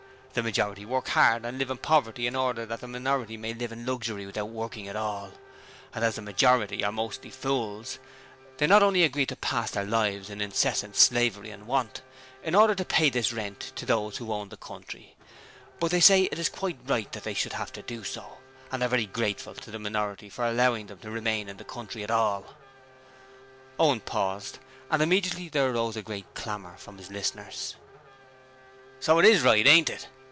'The majority work hard and live in poverty in order that the minority may live in luxury without working at all, and as the majority are mostly fools, they not only agree to pass their lives in incessant slavery and want, in order to pay this rent to those who own the country, but they say it is quite right that they should have to do so, and are very grateful to the little minority for allowing them to remain in the country at all.' Owen paused, and immediately there arose a great clamour from his listeners. 'So it IS right, ain't it?'